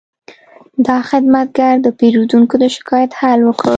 دا خدمتګر د پیرودونکي د شکایت حل وکړ.